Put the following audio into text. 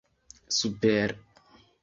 super